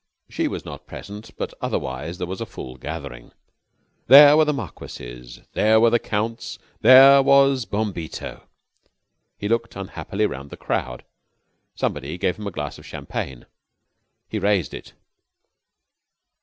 She was not present, but otherwise there was a full gathering. There were the marquises; there were the counts; there was Bombito. He looked unhappily round the crowd. Somebody gave him a glass of champagne. He raised it.